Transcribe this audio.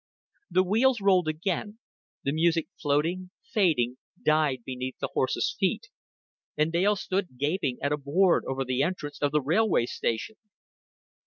The wheels rolled again; the music, floating, fading, died beneath the horses' feet; and Dale stood gaping at a board over the entrance of the railway station.